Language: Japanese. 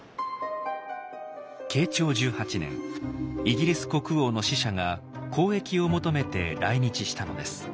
慶長１８年イギリス国王の使者が交易を求めて来日したのです。